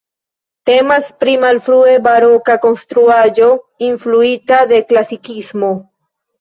Temas pri malfrue baroka konstruaĵo influita de klasikismo.